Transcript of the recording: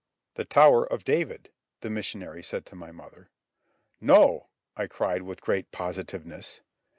"The Tower of David," the missionary said to my mother. "No!" I cried with great positiveness.